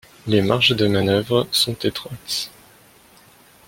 Les marges de manœuvre sont étroites.